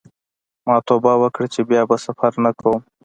ما توبه وکړه چې بیا به سفر نه کوم.